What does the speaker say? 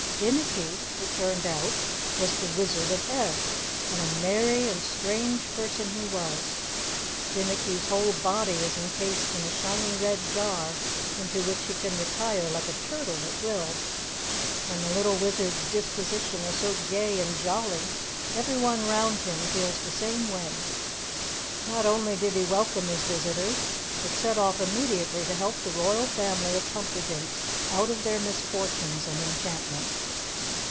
Jinnicky, it turned out, was the Wizard of Ev, and a merry and strange person he was. Jinnicky's whole body is encased in a shiny red jar into which he can retire like a turtle at will, and the little Wizard's disposition is so gay and jolly everyone around him feels the same way. Not only did he welcome his visitors, but set off immediately to help the Royal Family of Pumperdink out of their misfortunes and enchantment.